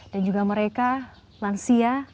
dan juga mereka lansia